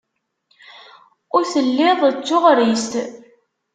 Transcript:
Ur telliḍ d tuɣrist.